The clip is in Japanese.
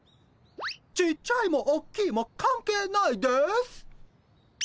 ちっちゃいもおっきいも関係ないです。